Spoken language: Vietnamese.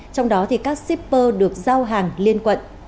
trong đó các shipper được giao hàng liên quận